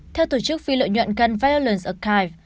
theo tổ chức phi lợi nhuận gun violence archive